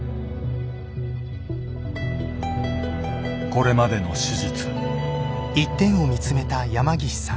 これまでの手術。